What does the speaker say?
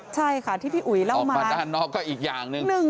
ใช่ค่ะที่พี่อุ๋ยเล่าออกมาด้านนอกก็อีกอย่างหนึ่ง